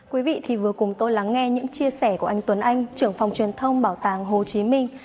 quý vị thì vừa cùng tôi lắng nghe những chia sẻ của anh tuấn anh trưởng phòng truyền thông bảo tàng hồ chí minh